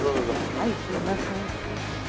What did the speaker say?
はいすみません。